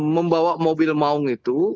membawa mobil maung itu